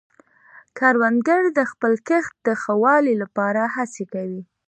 کروندګر د خپل کښت د ښه والي لپاره هڅې کوي